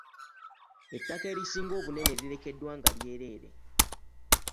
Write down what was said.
Ettaka erisinga obunene lirekeddwa nga lyereere.